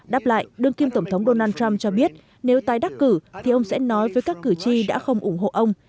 đáp lại đương kim tổng thống donald trump cho biết nếu tái đắc cử thì ông sẽ nói với các cử tri đã không ủng hộ ông